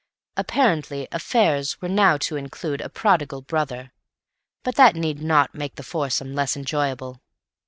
Apparently "affairs" were now to include a prodigal brother. But that need not make the foursome less enjoyable.